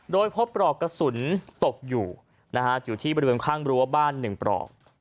โดยพบปลอกกระสุนตกอยู่อยู่ที่บริเวณข้างบริวบ้านหนึ่งปลอก